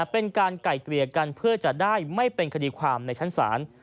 เป็นการไก่เกลี่ยกันเพื่อจะได้ไม่เป็นคดีความในชั้นศาล